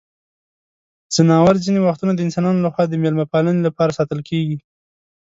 ځناور ځینې وختونه د انسانانو لخوا د مېلمه پالنې لپاره ساتل کیږي.